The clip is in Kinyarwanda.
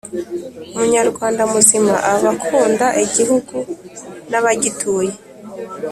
Umunyarwanda muzima aba akunda igihugu nabagituye